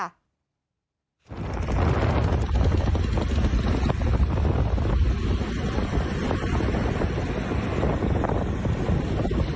ถ่ายไปเรียบร้อยแล้ว